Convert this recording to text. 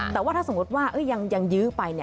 แต่ว่าถ้าสมมติว่ายังยื้อไป